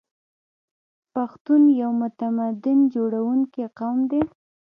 پښتون یو تمدن جوړونکی قوم دی.